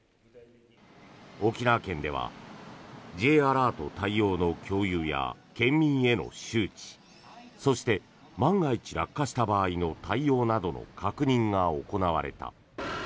沖縄県ではＪアラート対応の共有や県民への周知そして、万が一落下した場合の対応などの確認が行われた。